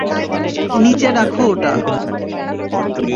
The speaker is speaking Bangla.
নিচে রাখো ওটা।